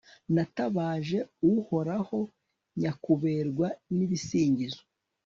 natabaje uhoraho, nyakuberwa n'ibisingizo